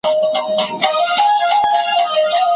بې هنرو دي د ښار کوڅې نیولي